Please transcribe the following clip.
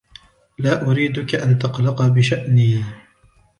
لا أريدك أن تقلق بشأني.